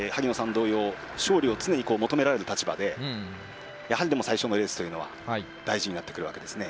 同様勝利を常に求められる立場でやはり、最初のレースというのは大事になってくるわけですね。